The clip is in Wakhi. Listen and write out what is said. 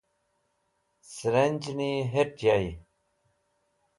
Sirijẽni het̃ yey.